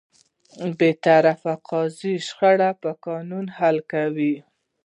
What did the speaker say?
بېطرفه قاضي شخړه په قانون حل کوي.